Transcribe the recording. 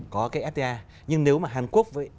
có cái fta nhưng nếu mà hàn quốc với